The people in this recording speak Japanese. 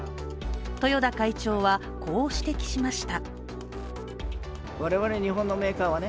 豊田会長はこう指摘しました。